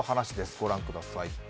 御覧ください。